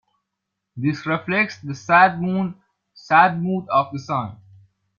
This reflects the sad mood of the song.